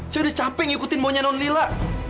saya udah capek ngikutin maunya nonila